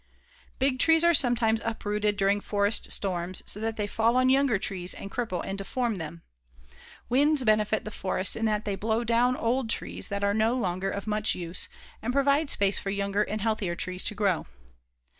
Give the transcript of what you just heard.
Big trees are sometimes uprooted during forest storms so that they fall on younger trees and cripple and deform them. Winds benefit the forests in that they blow down old trees that are no longer of much use and provide space for younger and healthier trees to grow.